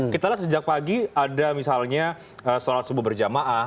kita lihat sejak pagi ada misalnya sholat subuh berjamaah